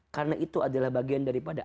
karena itu adalah bagian daripada